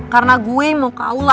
karena gue mau ke aula